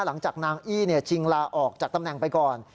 หลังจากนางอี้ชิงลาออกจากตำแหน่งไปก่อน